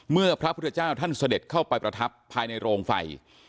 พระพุทธเจ้าท่านเสด็จเข้าไปประทับภายในโรงไฟ